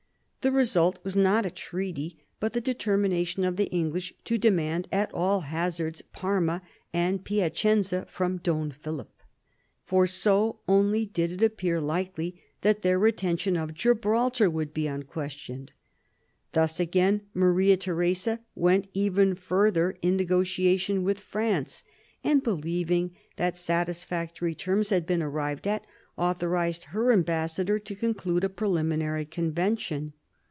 The result was not a treaty, but the deter mination of^the English to demand at all hazards Parma and Piacenza for Don Philip ; for so only did it appear likely that their retention of Gibraltar would be unquestioned. Thus again Maria Theresa went even further in negotiation with France ; and, believing that satisfactory terms had been arrived at, authorised her ambassador to conclude a preliminary convention.